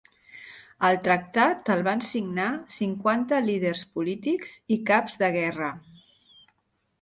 El tractat el van signar cinquanta líders polítics i caps de guerra.